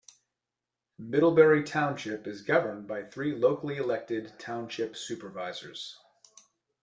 Middlebury Township is governed by three locally elected Township Supervisors.